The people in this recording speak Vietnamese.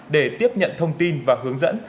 để tiếp nhận thông tin và hướng dẫn